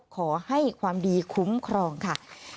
ขอให้ความดีคุ้มครองค่ะ